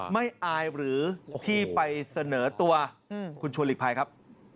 ไม่อายหรือที่ไปเสนอตัวคุณชวนหลีกภัยครับ